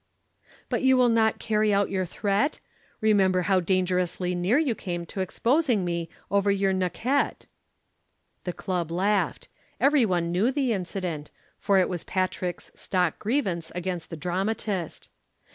"But you will not carry out your threat? Remember how dangerously near you came to exposing me over your Naquette." The Club laughed. Everyone knew the incident, for it was Patrick's stock grievance against the dramatist.